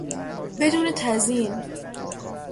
بدون تزیین